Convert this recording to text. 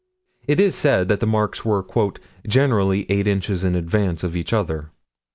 It is said that the marks were "generally 8 inches in advance of each other."